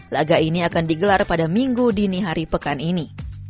laga ini akan digelar pada minggu dini hari pekan ini